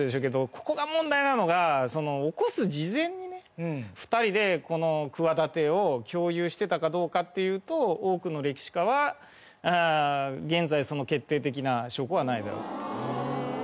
ここが問題なのが起こす事前にね２人でこの企てを共有してたかどうかっていうと多くの歴史家は現在その決定的な証拠はないだろうと。